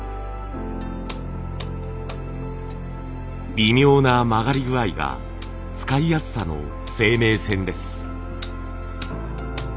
微妙な曲がり具合が使いやすさの生命線です。